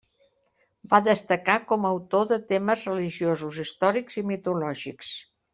Va destacar com a autor de temes religiosos, històrics i mitològics.